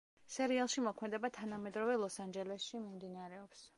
სერიალში მოქმედება თანამედროვე ლოს-ანჯელესში მიმდინარეობს.